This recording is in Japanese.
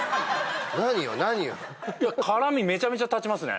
何よ何よ辛味めちゃめちゃ立ちますね